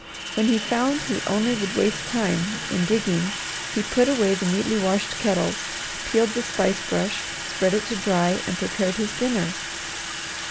When he found he only would waste time in digging he put away the neatly washed kettles, peeled the spice brush, spread it to dry, and prepared his dinner.